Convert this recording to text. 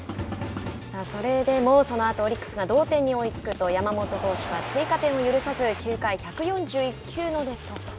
それでもそのあとオリックスが同点に追いつくと山本投手は追加点を許さず９回、１４１球の熱投と。